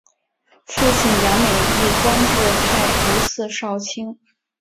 父亲杨美益官至太仆寺少卿。